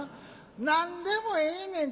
何でもええねん。